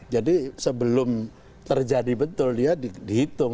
jadi sebelum terjadi betul dia dihitung